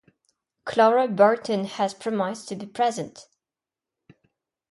Clara Barton has promised to be present.